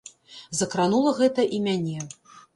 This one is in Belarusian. Закранула гэта і мяне.